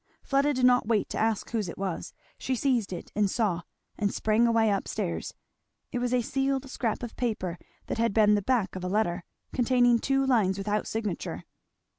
Fleda did not wait to ask whose it was; she seized it and saw; and sprang away up stairs. It was a sealed scrap of paper, that had been the back of a letter, containing two lines without signature.